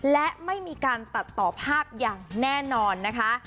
และไม่มีการตัดต่อภาพอย่างแน่นอนนะคะ